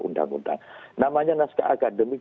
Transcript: undang undang namanya naskah akademik